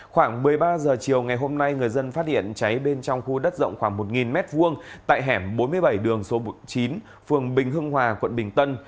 khoảng một mươi ba h chiều ngày hôm nay người dân phát hiện cháy bên trong khu đất rộng khoảng một m hai tại hẻm bốn mươi bảy đường số chín phường bình hưng hòa quận bình tân